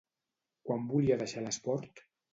Quan volia deixar l'esport?